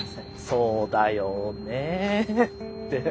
そうだよねって。